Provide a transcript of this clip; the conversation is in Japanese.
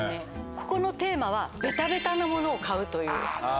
ここのテーマはベタベタなものを買うという。